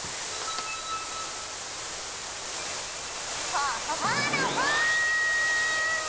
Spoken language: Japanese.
「フォフォフォのフォーン！」